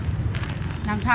làm sao mà mốc mốc